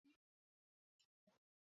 明朝末年政治人物。